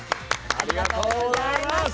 ありがとうございます。